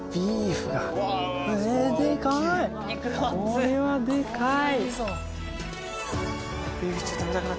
これはでかい。